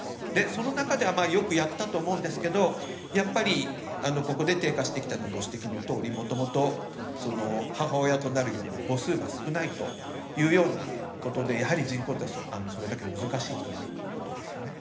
その中ではよくやったと思うんですがやっぱりここで低下してきたのはご指摘のとおりもともと、母親となるような母数が少ないということがありましてやはり人口はそれだけ難しいということですよね。